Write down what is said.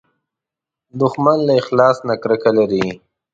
دښمن له اخلاص نه کرکه لري